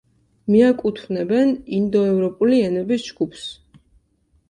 მიაკუთვნებენ ინდოევროპული ენების ჯგუფს.